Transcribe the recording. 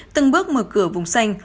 từng bước mở cửa vùng xanh